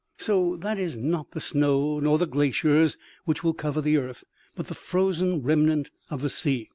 " So that it is not the snow, nor the glaciers which will cover the earth, but the frozen remnant of the sea.